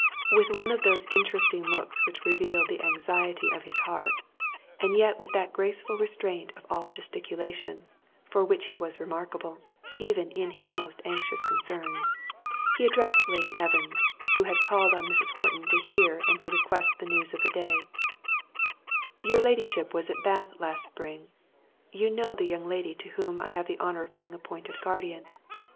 With one of those interesting looks which revealed the anxiety of his heart, and yet with that graceful restraint of all gesticulation, for which he was remarkable, even in his most anxious concerns, he addressed Lady Evans, who had called on Mrs. Horton to hear and to request the news of the day: "Your Ladyship was at Bath last spring—you know the young lady to whom I have the honour of being appointed guardian.